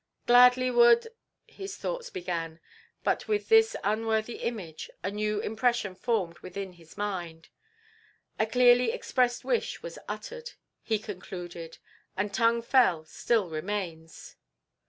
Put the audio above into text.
"Gladly would " his thoughts began, but with this unworthy image a new impression formed itself within his mind. "A clearly expressed wish was uttered," he concluded, "and Tung Fel still remains."